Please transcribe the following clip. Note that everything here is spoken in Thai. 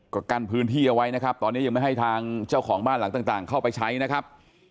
ก็กั้นพื้นที่เอาไว้นะครับตอนนี้ยังไม่ให้ทางเจ้าของบ้านหลังต่างเข้าไปใช้นะครับ